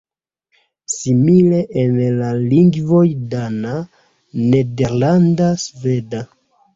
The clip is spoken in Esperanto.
Simile en la lingvoj dana, nederlanda, sveda.